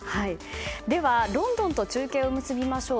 では、ロンドンと中継を結びましょう。